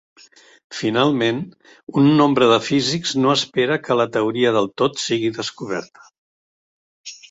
Finalment, un nombre de físics no espera que la teoria del tot siga descoberta.